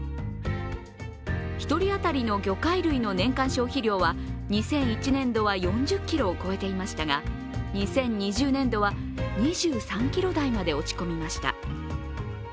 １人当たりの魚介類の年間消費量は２００１年度は４０ｋｇを超えていましたが２０２０年度は２３ｋｇ台まで落ち込みました。